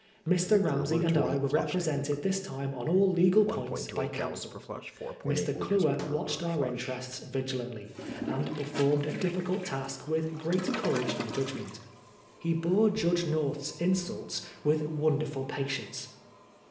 Mr. Ramsey and I were represented this time on all legal points by counsel. Mr. Cluer watched our interests vigilantly, and performed a diffi cult task with great courage and judgment. He bore Judge North's insults with wonderful patience.